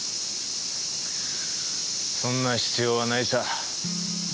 そんな必要はないさ。